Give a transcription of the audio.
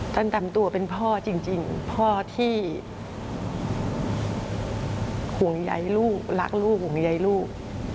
ตั้งแต่ตัวเป็นพ่อจริงพ่อที่ห่วงใยลูกรักลูกห่วงใยลูก